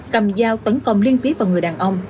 cầm dao tấn công liên tiếp vào người đàn ông